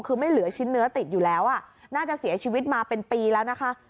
คือไม่เหลือชิ้นเนื้อติดอยู่แล้วน่าจะเสียชีวิตมาเป็นปีแล้วนะคะ